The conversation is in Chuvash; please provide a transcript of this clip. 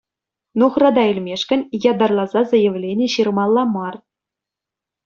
Нухрата илмешкӗн ятарласа заявлени ҫырмалла мар.